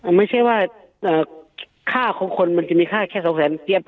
เอ่อไม่ใช่ว่าเอ่อค่าของคนมันจะมีค่าแค่สองแสนเตียบ